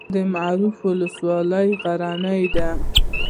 د معروف ولسوالۍ غرنۍ ده